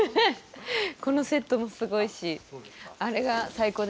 このセットもすごいしあれが最高でした。